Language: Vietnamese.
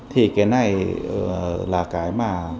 thì cái này là cái mà